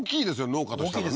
農家としたらね